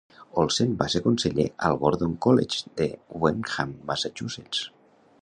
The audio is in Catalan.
Olsen va ser conseller al Gordon College de Wenham, Massachusetts.